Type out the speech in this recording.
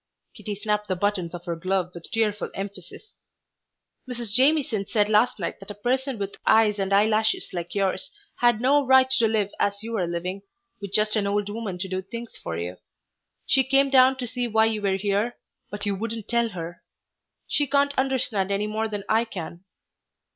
Kitty snapped the buttons of her glove with tearful emphasis. "Mrs. Jamieson said last night that a person with eyes and eyelashes like yours had no right to live as you are living, with just an old woman to do things for you. She came down to see why you were here, but you wouldn't tell her. She can't understand any more than I can."